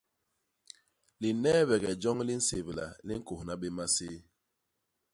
Lineebege joñ li nsébla li ñkônha bé maséé.